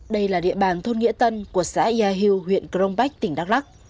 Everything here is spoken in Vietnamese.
đây là địa bàn thôn nghĩa tân của xã yà hưu huyện công bách tỉnh đắk lắc